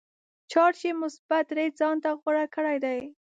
چارج یې مثبت درې ځانته غوره کړی دی.